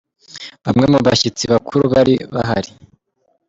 Bamwe mu bashyitsi bakuru bari bahari.